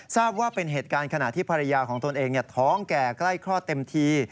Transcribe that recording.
ทราบว่าเป็นเหตุการณ์ขณะที่ภรรยาของตนเองท้องแก่ใกล้คลอดเต็มที